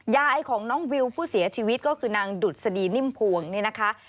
ยายของน้องวิวผู้เสียชีวิตก็คือนางดุษฎีนิ่มพวงเนี่ยนะคะ